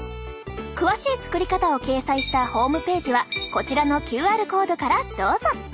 詳しい作り方を掲載したホームページはこちらのＱＲコードからどうぞ！